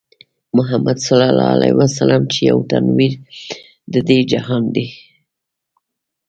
محمدص چې يو تنوير د دې جهان دی